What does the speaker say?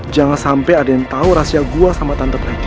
jangan sampai ada yang tahu rahasia gue sama tante